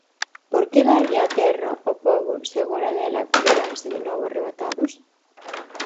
¿Por que darlle a terra ao pobo se agora dela veranse de novo arrebatados?